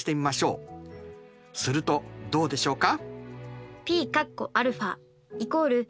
するとどうでしょうか？